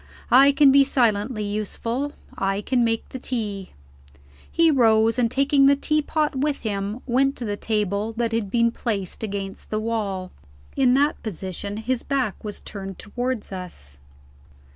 I can be silently useful; I can make the tea." He rose, and, taking the teapot with him, went to the table that had been placed against the wall. In that position, his back was turned towards us.